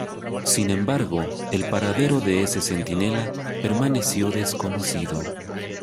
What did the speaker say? Sin embargo, el paradero de ese Centinela permaneció desconocido.